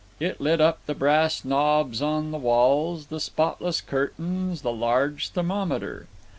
It lit up the brass knobs on the walls, the spotless curtains, the large thermometer.